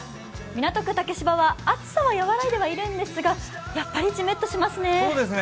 港区竹芝は暑さはやわらいではいるんですがやっぱりじめっとしますね。